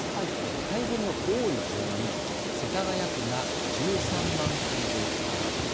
配分の多い順に世田谷区が１３万回分余り。